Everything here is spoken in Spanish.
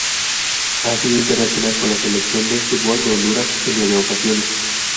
Ha sido internacional con la Selección de fútbol de Honduras en nueve ocasiones.